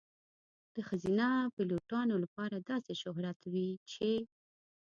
د ښځینه پیلوټانو لپاره داسې شهرت وي چې .